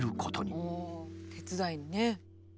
ああ手伝いにね。